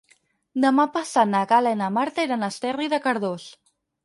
Demà passat na Gal·la i na Marta iran a Esterri de Cardós.